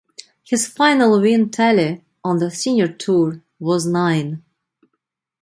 His final win tally on the Senior Tour was nine.